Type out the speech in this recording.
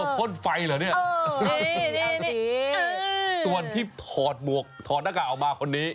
พ่นไฟเหรอเนี่ยส่วนที่ถอดหมวกถอดหน้ากากออกมาคนนี้